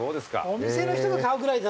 お店の人が買うぐらい。